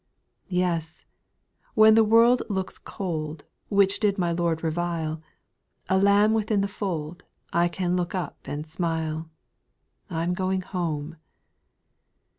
6. Yes 1 when the world looks cold, Which did my Lord revile, A lamb within the fold, I can look up and smile. I 'm going home.